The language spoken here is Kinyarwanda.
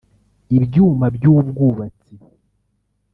ibyuma by’ubwubatsi